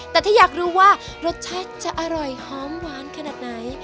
แต่ถ้าอยากรู้ว่ารสชาติจะอร่อยหอมหวานขนาดไหน